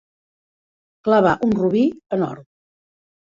Clavar un robí en or.